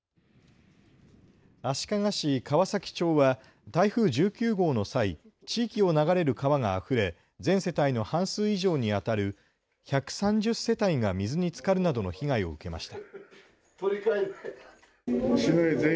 足利市川崎町は台風１９号の際、地域を流れる川があふれ全世帯の半数以上にあたる１３０世帯が水につかるなどの被害を受けました。